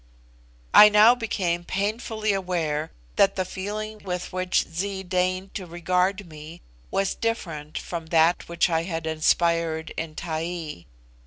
I now became painfully aware that the feeling with which Zee deigned to regard me was different from that which I had inspired in Taee.